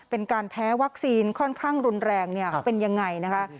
เป็นการแพ้วัคซีนค่อนข้างรุนแรงเป็นยังไงนะคะ